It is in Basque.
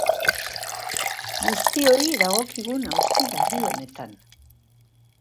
Guztioi dagokigun auzi larri honetan.